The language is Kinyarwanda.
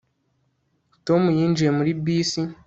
tom yinjiye muri bisi